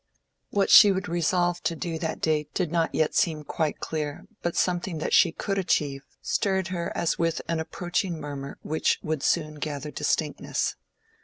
What she would resolve to do that day did not yet seem quite clear, but something that she could achieve stirred her as with an approaching murmur which would soon gather distinctness.